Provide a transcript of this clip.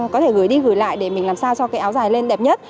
có thể gửi đi gửi lại để mình làm sao cho cái áo dài lên đẹp nhất